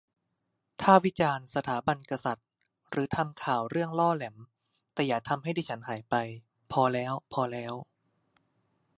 ถ้าวิจารณ์สถาบันกษัตริย์หรือทำข่าวเรื่องล่อแหลม แต่อย่าทำให้ดิฉันหายไป พอแล้ว พอแล้ว